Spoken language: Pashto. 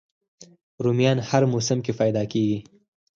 رومیان هر موسم کې پیدا کېږي